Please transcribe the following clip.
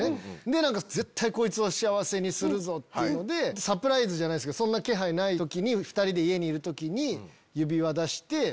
で絶対こいつを幸せにするぞ！っていうのでサプライズじゃないですけどそんな気配ない時に２人で家にいる時に。